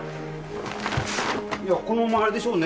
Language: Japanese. いやこのままあれでしょうね。